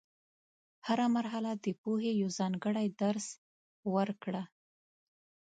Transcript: هره مرحله د پوهې یو ځانګړی درس ورکړه.